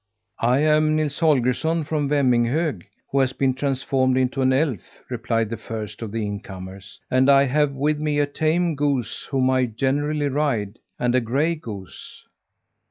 "I am Nils Holgersson from Vemminghög, who has been transformed into an elf," replied the first of the incomers, "and I have with me a tame goose, whom I generally ride, and a gray goose."